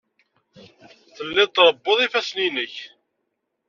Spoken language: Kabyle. Tellid trebbud ifassen-nnek.